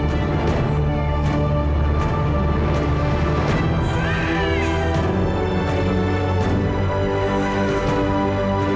saya akan menangkan dia